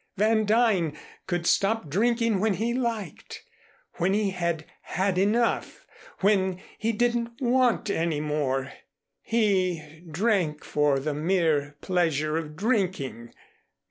Van Duyn could stop drinking when he liked, when he had had enough, when he didn't want any more. He drank for the mere pleasure of drinking.